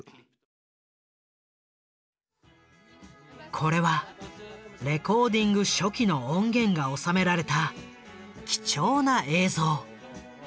これはレコーディング初期の音源が収められた貴重な映像。